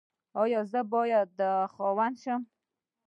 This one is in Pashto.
ایا زه باید خاوند شم؟